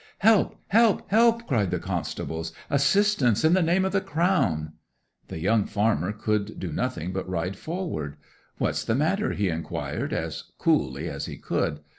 '"Help, help, help!" cried the constables. "Assistance in the name of the Crown!" 'The young farmer could do nothing but ride forward. "What's the matter?" he inquired, as coolly as he could.